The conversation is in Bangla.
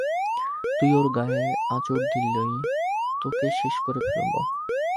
তুই ওর গাঁয়ে আচড় দিলে তোকে শেষ করে ফেলবো।